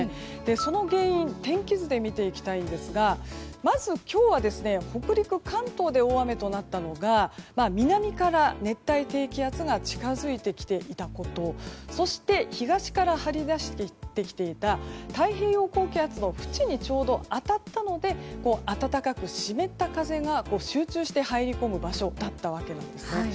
その原因天気図で見ていきたいですがまず今日は北陸、関東で大雨となったのが南から熱帯低気圧が近づいてきていたことそして東から張り出してきていた太平洋高気圧の縁にちょうど当たったので暖かく湿った風が集中して入り込む場所だったわけです。